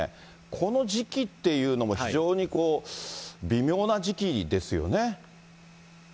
この時期っていうのも非常に微妙な時期ですよね。